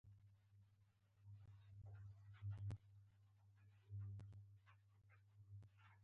دا پروسه د قدرت د لیږد سره ډیره مرسته کوي.